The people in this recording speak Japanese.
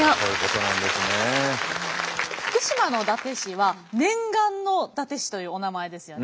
福島の伊達市は念願の伊達市というお名前ですよね。